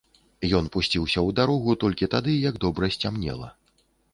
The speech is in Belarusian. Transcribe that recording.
Ён пусціўся ў дарогу толькі тады, як добра сцямнела.